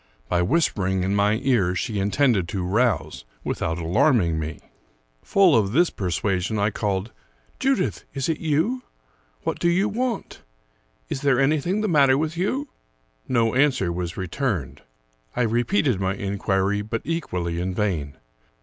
By whispering in my ear she in tended to rouse without alarming me. Full of this persuasion, I called, "Judith, is it you? 229 American Mystery Stories What do you want? Is there anything the matter with you?" No answer was returned. I repeated my inquiry, but equally in vain.